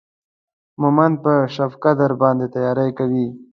مهمند پر شبقدر باندې تیاری کوي.